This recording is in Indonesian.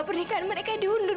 pernikahan mereka diundur